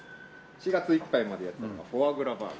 ４月いっぱいまでやってたのがフォアグラバーガー。